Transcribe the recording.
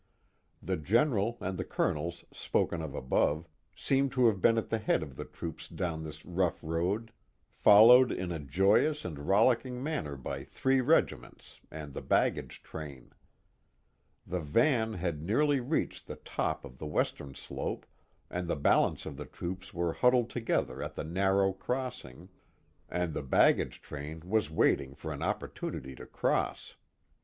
The general and the colonels spoken of above seem to have been at the head of the troops down this rough road, followed in a joyous and rollicking manner by three regiments and the baggage train. The van had nearly reached the top of the western slope and the balance of the troops were huddled together at the narrow crossing, .ind the baggage train was wailing for an opportunity to cross.